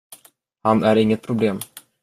Han är inget problem.